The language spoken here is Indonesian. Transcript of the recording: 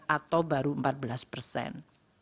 atau baru empat belas persen